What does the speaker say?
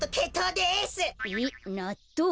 えっなっとう？